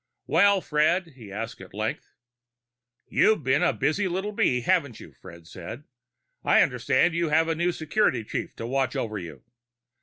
"Well, Fred?" he asked at length. "You've been a busy little bee, haven't you?" Fred said. "I understand you have a new security chief to watch over you."